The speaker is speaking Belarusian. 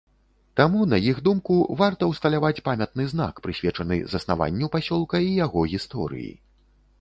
Таму, на іх думку, варта ўсталяваць памятны знак, прысвечаны заснаванню пасёлка і яго гісторыі.